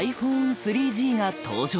ｉＰｈｏｎｅ３Ｇが登場。